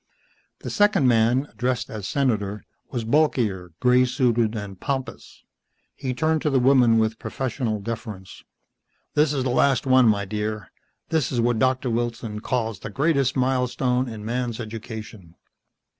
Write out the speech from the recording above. The second man, addressed as Senator, was bulkier, grey suited and pompous. He turned to the woman with professional deference. "This is the last one, my dear. This is what Doctor Wilson calls the greatest milestone in man's education."